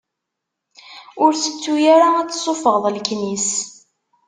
Ur tettu ara ad tessufɣeḍ leknis!